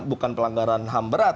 bukan pelanggaran ham berat